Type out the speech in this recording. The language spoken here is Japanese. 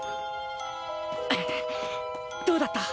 どうだった？